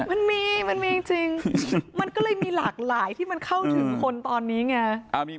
มันมีมันมีจริงมันก็เลยมีหลากหลายที่มันเข้าถึงคนตอนนี้ไง